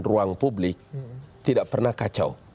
ruang publik tidak pernah kacau